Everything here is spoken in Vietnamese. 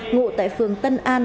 ngụ tại phường tân an